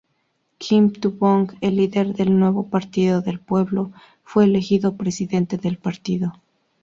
Kim Tu-bong, el líder del Nuevo Partido del Pueblo, fue elegido Presidente del partido.